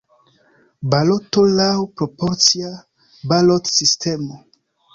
Baloto laŭ proporcia balotsistemo.